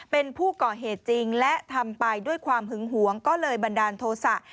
เป็นผู้ก่อเหตุจริงและทำไปด้วยความหึงหวงก็เลยบันดาลโทษะ